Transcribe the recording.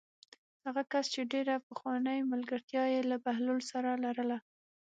هغه کس چې ډېره پخوانۍ ملګرتیا یې له بهلول سره لرله.